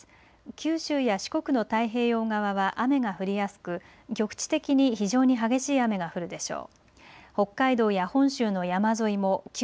九州や四国の太平洋側は雨が降りやすく局地的に非常に激しい雨が降るでしょう。